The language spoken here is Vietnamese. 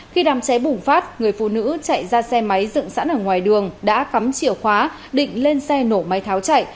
khi đám cháy bùng phát người phụ nữ chạy ra xe máy dựng sẵn ở ngoài đường đã cắm chìa khóa định lên xe nổ máy tháo chạy